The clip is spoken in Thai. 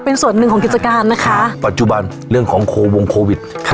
เป็นส่วนหนึ่งของกิจการนะคะปัจจุบันเรื่องของโควงโควิดค่ะ